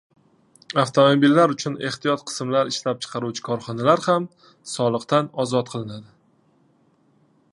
Avtomobillar uchun ehtiyot qismlar ishlab chiqaruvchi korxonalar ham soliqdan ozod qilinadi.